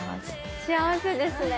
幸せですね。